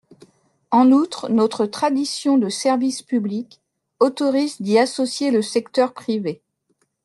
En outre, notre tradition de service public autorise d’y associer le secteur privé.